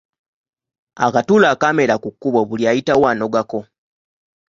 Akatula akaamera ku kkubo buli ayitawo anogako.